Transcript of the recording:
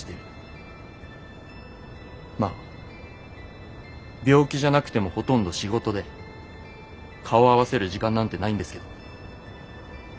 まっ病気じゃなくてもほとんど仕事で顔合わせる時間なんてないんですけど。